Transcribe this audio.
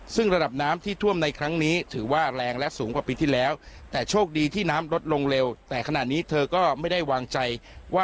ซึ่งระดับน้ำที่ท่วมในครั้งนี้ถือว่าแรงและสูงกว่าปีที่แล้ว